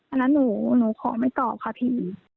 อันนั้นหนูขอไม่ตอบค่ะพี่